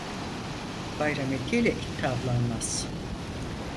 Bayram etiyle it tavlanmaz.